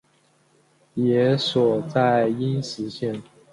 治所在阴石县。